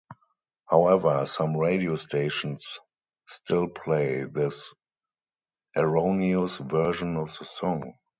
However, some radio stations still play this erroneous version of the song.